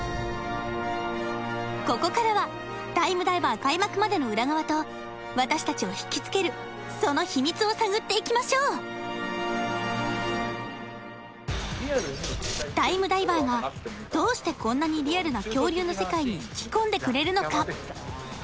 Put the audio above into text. ここからはタイムダイバー開幕までの裏側と私たちをひきつけるその秘密を探っていきましょうタイムダイバーがどうしてこんなにリアルな恐竜の世界に引き込んでくれるのか？